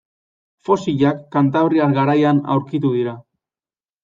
Fosilak Kanbriar garaian aurkitu dira.